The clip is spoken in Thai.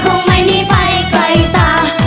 ผมไม่ได้ไปไกลตา